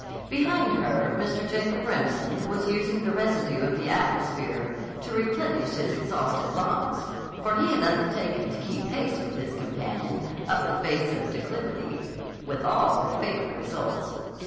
Behind her Mr. Jacob Remsen was using the residue of the atmosphere to replenish his exhausted lungs, for he had undertaken to keep pace with his companion up the face of the declivity, with all but fatal results.